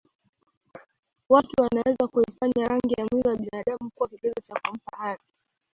Watu wanaweza kuifanya rangi ya mwili ya binadamu kuwa kigezo cha kumpa haki